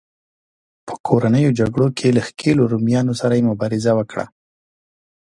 په کورنیو جګړو کې له ښکېلو رومیانو سره یې مبارزه وکړه.